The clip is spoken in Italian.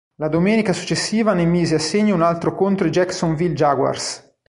La domenica successiva ne mise a segno un altro contro i Jacksonville Jaguars.